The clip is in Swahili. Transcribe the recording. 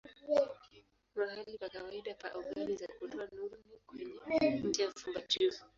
Mahali pa kawaida pa ogani za kutoa nuru ni kwenye ncha ya fumbatio.